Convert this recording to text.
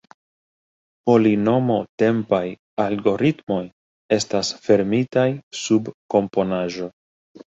Polinomo-tempaj algoritmoj estas fermitaj sub komponaĵo.